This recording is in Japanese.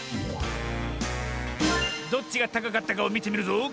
どっちがたかかったかをみてみるぞ。